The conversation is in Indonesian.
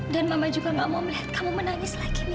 dan mama juga gak mau melihat kamu menangis lagi mila